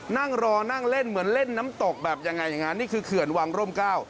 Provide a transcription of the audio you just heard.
นั่งรอนั่งเล่นเหมือนเล่นน้ำตกแบบยังไงอย่างนั้นนี่คือเขื่อนวังร่มเก้า